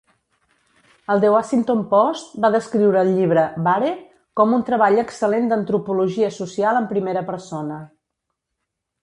El "The Washington Post" va descriure el llibre "Bare" com "un treball excel·lent d'antropologia social en primera persona".